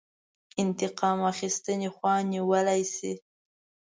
انتقام اخیستنې خوا نیولی شي.